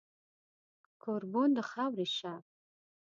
کوربون د خاورې شه